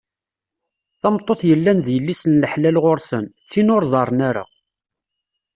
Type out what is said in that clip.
Tameṭṭut yellan d yelli-s n laḥlal ɣur-sen, d tin ur ẓerren ara.